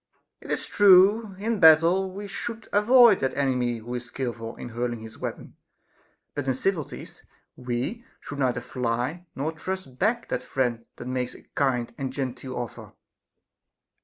It is true, in a battle we should avoid that enemy who is skilful in hurling his weapon ; but in civilities we should neither fly nor thrust back that friend that makes a kind and genteel offer.